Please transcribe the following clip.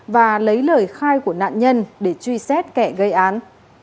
và lấy lời khai của nạn nhân để truy xét kẻ gây án